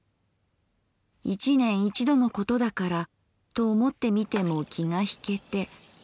一年一度のことだからと思ってみても気がひけて。